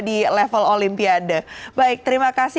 di level olimpiade baik terima kasih